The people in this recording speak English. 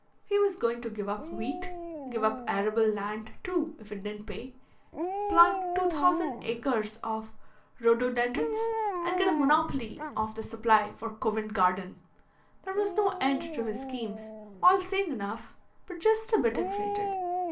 He was going to give up wheat, give up arable land, too, if it didn't pay, plant two thousand acres of rhododendrons and get a monopoly of the supply for Covent Garden there was no end to his schemes, all sane enough but just a bit inflated.